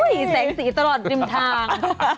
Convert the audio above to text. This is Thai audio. อุ๊ยแสงสีตลอดริมทาง